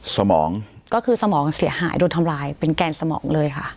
สมองก็คือสมองเสียหายโดนทำลายเป็นแกนสมองเลยค่ะ